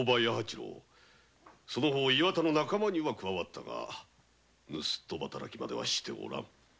その方岩田の仲間に加わったが盗賊働きまではしておらん。